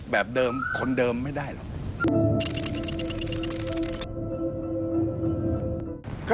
แบบเดิมคนเดิมไม่ได้หรอก